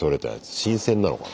新鮮なのかな？